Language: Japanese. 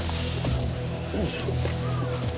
よいしょ。